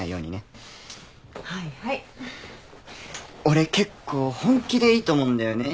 俺結構本気でいいと思うんだよね。